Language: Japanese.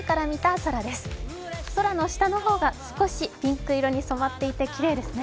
空の下の方が少しピンク色に染まっていて、きれいですね。